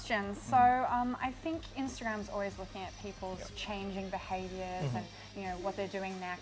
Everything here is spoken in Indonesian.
jadi saya pikir instagram selalu melihat keadaan orang yang berubah dan apa yang mereka lakukan seterusnya